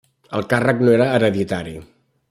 El càrrec no era hereditari.